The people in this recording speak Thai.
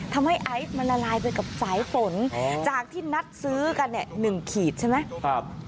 ทำให้ไอซ์มันละลายไปกับสายฝนจากที่นัดซื้อกัน๑ขีดใช่ไหม